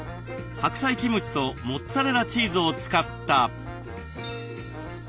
白菜キムチとモッツァレラチーズを使った豆腐チヂミ。